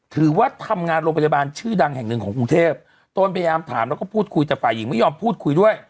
ถือว่าทำงานโรงพยาบาลชื่อดังแห่งหนึ่งของกรุงเทพตนพยายามถามแล้วก็พูดคุยแต่ฝ่ายหญิงไม่ยอมพูดคุยด้วย